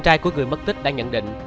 cơ quan công an đã nhận định